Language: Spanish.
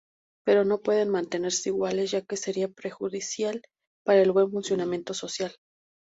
Pero no pueden mantenerse iguales ya que sería perjudicial para el buen funcionamiento social.